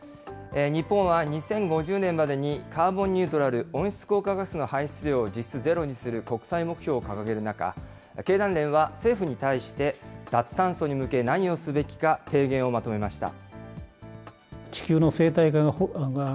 日本は２０５０年までにカーボンニュートラル、温室効果ガスの排出量を実質ゼロにする国際目標を掲げる中、経団連は政府に対して、脱炭素に向け、何をすべきか、提言をまとめました。